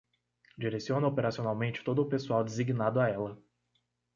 Direciona operacionalmente todo o pessoal designado a ela.